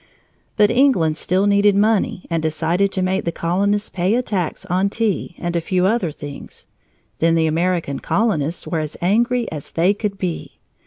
But England still needed money and decided to make the colonists pay a tax on tea and a few other things. Then the American colonists were as angry as they could be.